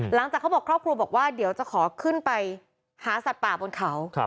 เขาบอกครอบครัวบอกว่าเดี๋ยวจะขอขึ้นไปหาสัตว์ป่าบนเขา